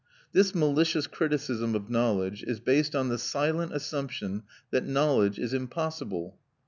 This malicious criticism of knowledge is based on the silent assumption that knowledge is impossible.